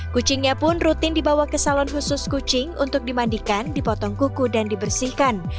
kucingnya pun rutin dibawa ke salon khusus kucing untuk dimandikan dipotong kuku dan dibersihkan